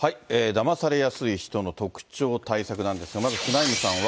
だまされやすい人の特徴、対策なんですが、まずフナイムさんは。